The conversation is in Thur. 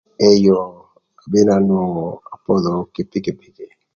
Eyo bedo anwongo apodho ökö kï pikipiki.